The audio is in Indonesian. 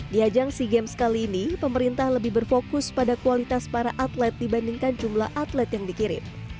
di ajang sea games kali ini pemerintah lebih berfokus pada kualitas para atlet dibandingkan jumlah atlet yang dikirim